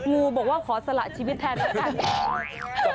งูบอกว่าขอสละชีวิตแทนแล้วกัน